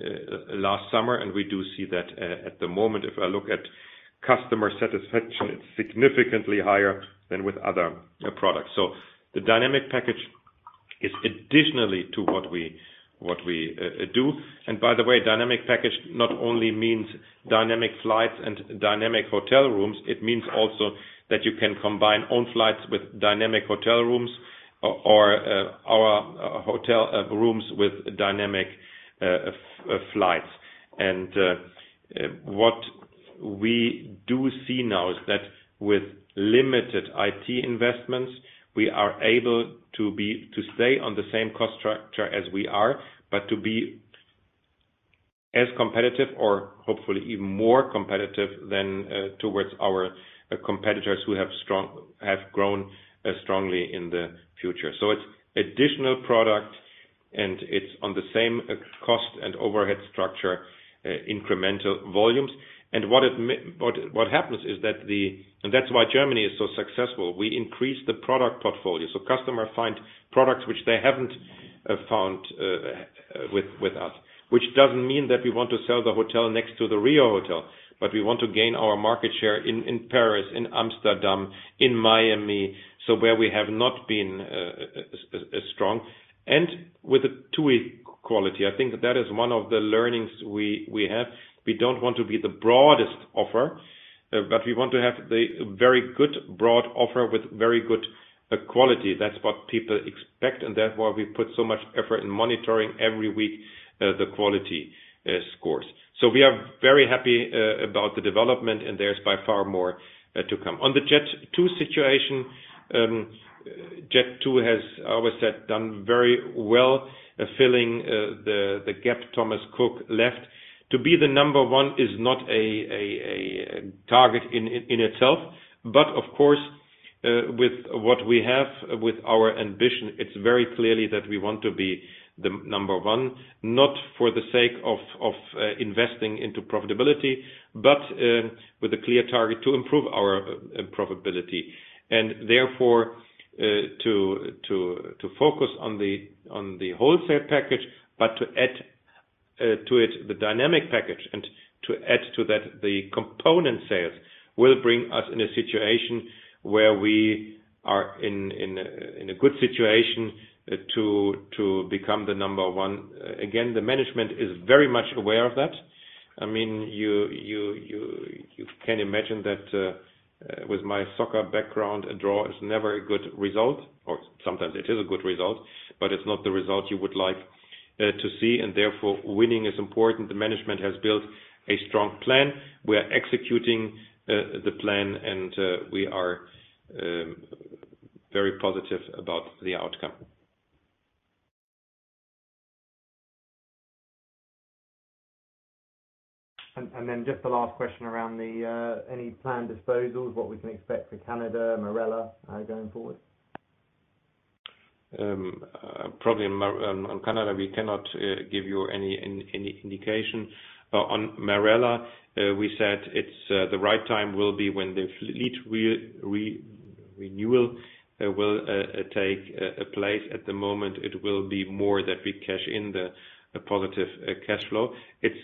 last summer, and we do see that at the moment. If I look at customer satisfaction, it's significantly higher than with other products. The dynamic package is additionally to what we do. By the way, dynamic package not only means dynamic flights and dynamic hotel rooms, it means also that you can combine own flights with dynamic hotel rooms or, our hotel rooms with dynamic flights. What we do see now is that with limited IT investments, we are able to stay on the same cost structure as we are, but to be as competitive or hopefully even more competitive than towards our competitors who have grown strongly in the future. It's additional product and it's on the same cost and overhead structure, incremental volumes. What happens is that. That's why Germany is so successful. We increase the product portfolio. Customers find products which they haven't found with us, which doesn't mean that we want to sell the hotel next to the RIU Hotel, but we want to gain our market share in Paris, in Amsterdam, in Miami. Where we have not been as strong and with a TUI quality. I think that is one of the learnings we have. We don't want to be the broadest offer, but we want to have the very good broad offer with very good quality. That's what people expect, and therefore we put so much effort in monitoring every week the quality scores. We are very happy about the development and there's by far more to come. On the Jet2 situation, Jet2 has, I would say, done very well filling the gap Thomas Cook left. To be the number one is not a target in itself. Of course, with what we have with our ambition, it's very clearly that we want to be the number one, not for the sake of investing into profitability, but with a clear target to improve our profitability and therefore, to focus on the wholesale package, but to add to it the dynamic package and to add to that the component sales will bring us in a situation where we are in a good situation to become the number one. Again, the management is very much aware of that. I mean, you can imagine that, with my soccer background, a draw is never a good result, or sometimes it is a good result, but it's not the result you would like to see, and therefore winning is important. The management has built a strong plan. We are executing the plan, and we are very positive about the outcome. Then just the last question around the any planned disposals, what we can expect for Canada, Marella going forward? Probably on Canada, we cannot give you any indication. On Marella, we said it's the right time will be when the fleet renewal will take place. At the moment, it will be more that we cash in the positive cash flow. It's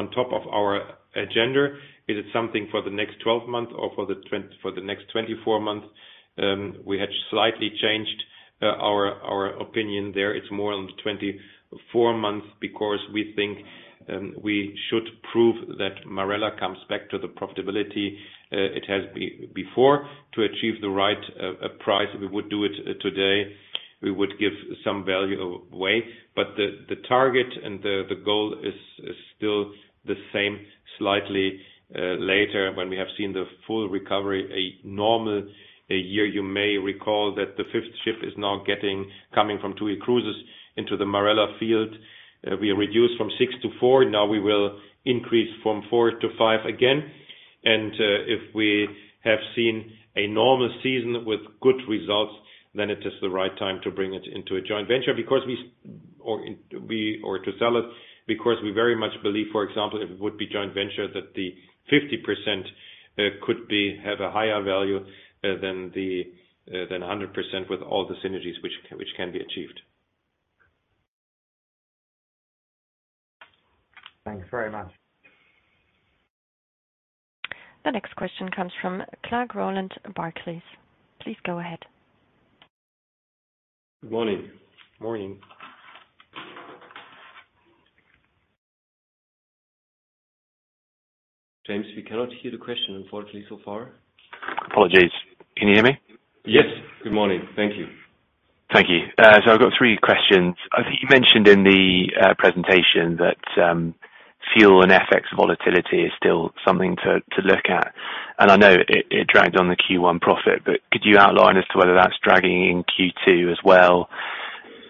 on top of our agenda. Is it something for the next 12 months or for the next 24 months? We had slightly changed our opinion there. It's more on 24 months because we think we should prove that Marella comes back to the profitability it has before. To achieve the right price, we would do it today. We would give some value away. The, the target and the goal is still the same slightly later when we have seen the full recovery a normal year. You may recall that the fifth ship is now coming from TUI Cruises into the Marella field. We reduced from six to four. Now we will increase from four to five again. If we have seen a normal season with good results, then it is the right time to bring it into a joint venture because we or to sell it because we very much believe, for example, it would be joint venture that the 50%, could be, have a higher value than the than 100% with all the synergies which can be achieved. Thanks very much. The next question comes from Jamie Rollo, Barclays. Please go ahead. Good morning. Morning. James, we cannot hear the question, unfortunately, so far. Apologies. Can you hear me? Yes. Good morning. Thank you. Thank you. I've got three questions. I think you mentioned in the presentation that fuel and FX volatility is still something to look at. I know it dragged on the Q1 profit, but could you outline as to whether that's dragging in Q2 as well,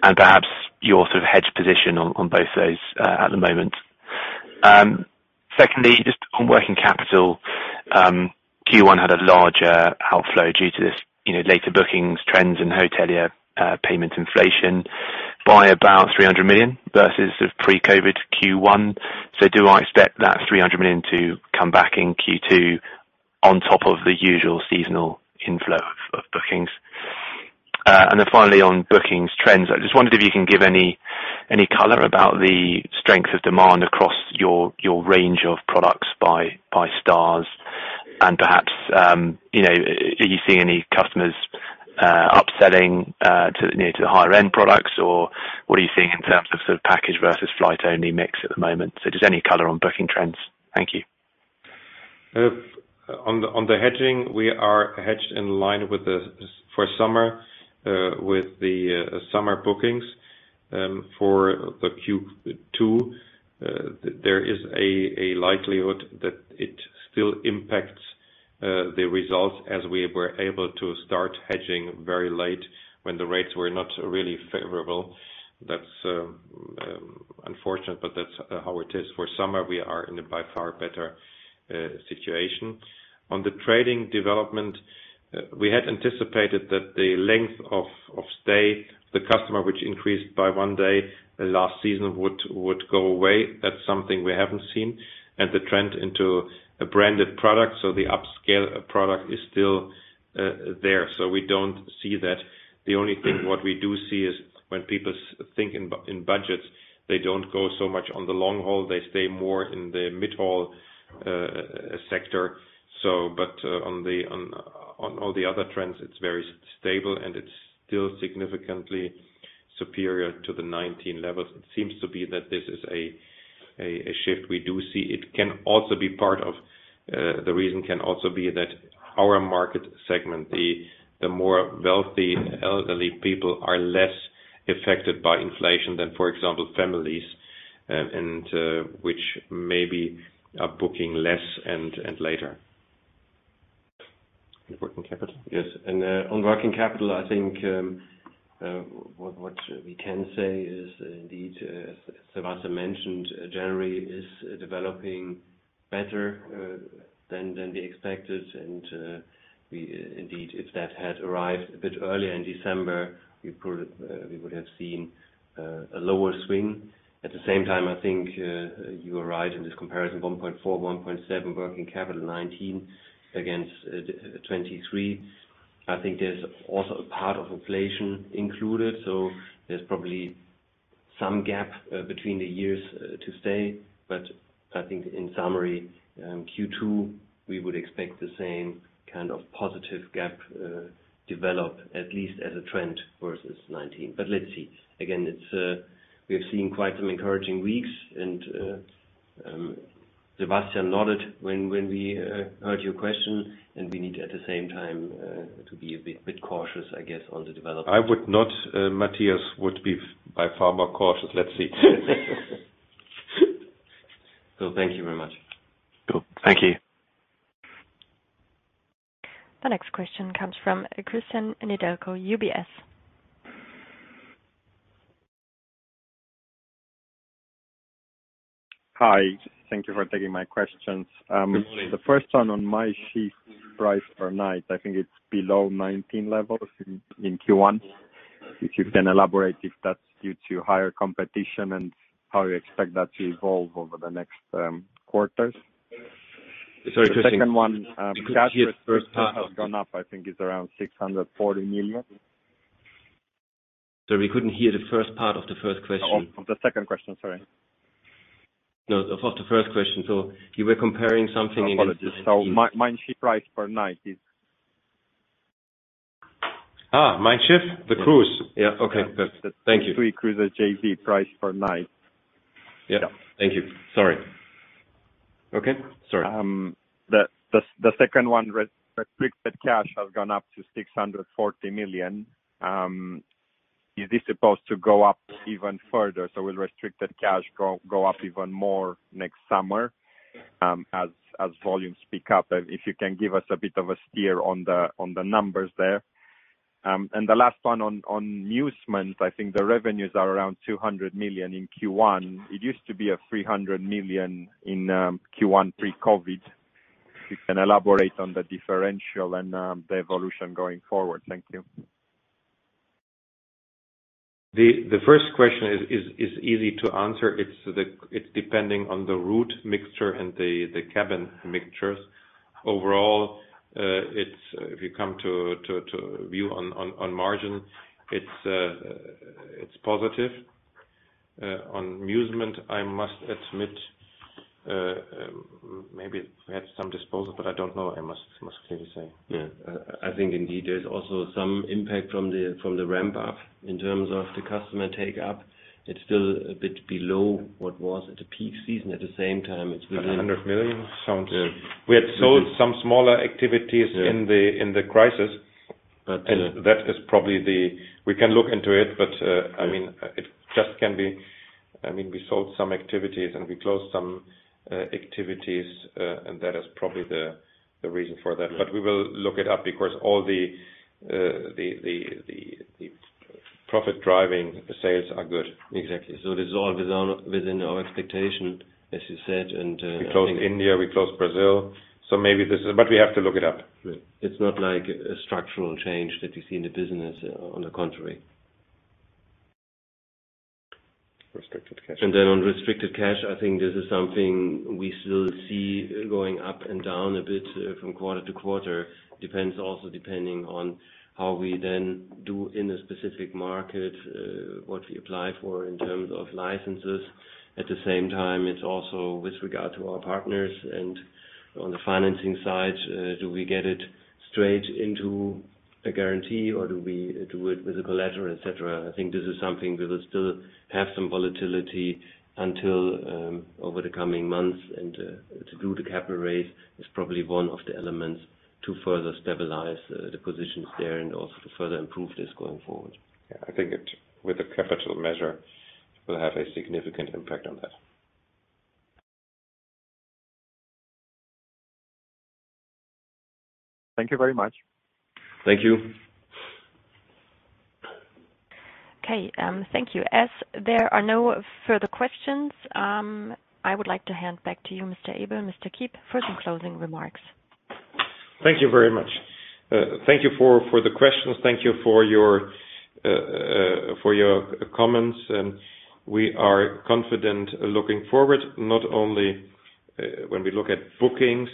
and perhaps your sort of hedge position on both those at the moment? Secondly, just on working capital, Q1 had a larger outflow due to this, you know, later bookings trends and hotelier payment inflation by above 300 million versus the pre-COVID Q1. Do I expect that 300 million to come back in Q2 on top of the usual seasonal inflow of bookings? Finally, on bookings trends, I just wondered if you can give any color about the strength of demand across your range of products by stars and perhaps, you know, are you seeing any customers upselling to the, you know, to the higher end products, or what are you seeing in terms of sort of package versus flight only mix at the moment? Just any color on booking trends. Thank you. On the hedging, we are hedged in line with for summer, with the summer bookings for the Q2. There is a likelihood that it still impacts the results as we were able to start hedging very late when the rates were not really favorable. That's unfortunate, but that's how it is. For summer, we are in a by far better situation. On the trading development, we had anticipated that the length of stay the customer, which increased by one day last season would go away. That's something we haven't seen. The trend into a branded product, so the upscale product is still there. We don't see that. The only thing, what we do see is when people think in budgets, they don't go so much on the long haul. They stay more in the mid-haul sector. On all the other trends, it's very stable, and it's still significantly superior to the 2019 levels. It seems to be that this is a shift we do see. It can also be part of, the reason can also be that our market segment, the more wealthy elderly people are less affected by inflation than, for example, families, and which maybe are booking less and later. On working capital? Yes. On working capital, I think what we can say is indeed, as Sebastian Ebel mentioned, January is developing better than we expected. We indeed, if that had arrived a bit earlier in December, we would have seen a lower swing. At the same time, I think you are right in this comparison, 1.4, 1.7 working capital 2019 against 2023. I think there's also a part of inflation included, so there's probably some gap between the years to stay. I think in summary, Q2, we would expect the same kind of positive gap develop at least as a trend versus 2019. Let's see. It's, we have seen quite some encouraging weeks and Sebastian nodded when we heard your question, and we need to at the same time to be a bit cautious, I guess, on the development. I would not. Mathias would be by far more cautious. Let's see. Thank you very much. Cool. Thank you. The next question comes from Cristian Nedelcu, UBS. Hi. Thank you for taking my questions. Good morning. The first one on my sheet, price per night, I think it's below 2019 levels in Q1. If you can elaborate if that's due to higher competition and how you expect that to evolve over the next quarters? Sorry, Cristian. The second one. We couldn't hear the first part. Cash has gone up. I think it's around 640 million. Sorry, we couldn't hear the first part of the first question. Of the second question, sorry. No, of the first question. You were comparing something against 2019. Apologies. My sheet price per night is... My shift, the cruise. Yeah. Yeah. Okay. Thank you. The three cruise, the JV price per night. Yeah. Thank you. Sorry. Okay. Sorry. The second one, restricted cash has gone up to 640 million. Is this supposed to go up even further? Will restricted cash go up even more next summer, as volumes pick up? If you can give us a bit of a steer on the numbers there. The last one on Musement, I think the revenues are around 200 million in Q1. It used to be 300 million in Q1 pre-COVID. If you can elaborate on the differential and the evolution going forward. Thank you. The first question is easy to answer. It's depending on the route mixture and the cabin mixtures. Overall, if you come to view on margin, it's positive. On Musement, I must admit, maybe we had some disposal, but I don't know, I must clearly say. Yeah. I think indeed there's also some impact from the ramp up in terms of the customer take-up. It's still a bit below what was at the peak season. At the same time, it's. 100 million sounds- Yeah. We had sold some smaller activities... Yeah in the crisis. But, uh- That is probably the. We can look into it, I mean, it just can be. I mean, we sold some activities and we closed some activities, that is probably the reason for that. We will look it up because all the profit-driving sales are good. Exactly. This is all within our expectation, as you said. We closed India, we closed Brazil. We have to look it up. It's not like a structural change that you see in the business. On the contrary. Restricted cash. Then on restricted cash, I think this is something we still see going up and down a bit from quarter to quarter. Depends also, depending on how we then do in a specific market, what we apply for in terms of licenses. At the same time, it's also with regard to our partners and on the financing side, do we get it straight into a guarantee or do we do it with a collateral, et cetera. I think this is something we will still have some volatility until over the coming months. To do the capital raise is probably one of the elements to further stabilize the positions there and also to further improve this going forward. Yeah. I think it, with the capital measure, will have a significant impact on that. Thank you very much. Thank you. Okay, thank you. As there are no further questions, I would like to hand back to you Mr. Ebel and Mr. Kiep for some closing remarks. Thank you very much. Thank you for the questions. Thank you for your comments and we are confident looking forward, not only when we look at bookings,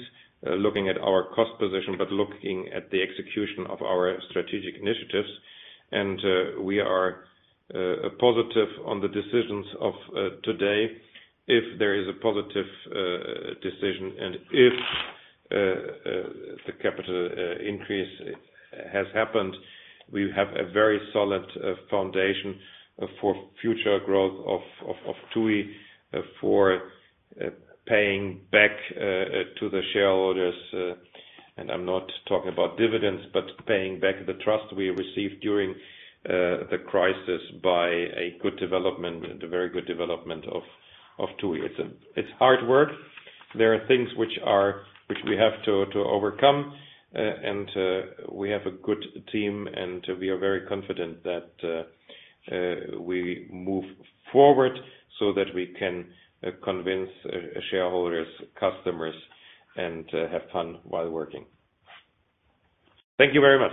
looking at our cost position, but looking at the execution of our strategic initiatives. We are positive on the decisions of today. If there is a positive decision and if the capital increase has happened, we have a very solid foundation for future growth of TUI, for paying back to the shareholders. I'm not talking about dividends, but paying back the trust we received during the crisis by a good development, the very good development of TUI. It's hard work. There are things which we have overcome. We have a good team and we are very confident that we move forward so that we can convince shareholders, customers and have fun while working. Thank you very much.